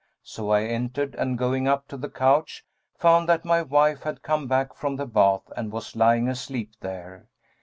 So I entered and, going up to the couch, found that my wife had come back from the bath and was lying asleep there.